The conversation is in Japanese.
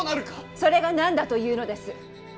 それが何だというのです！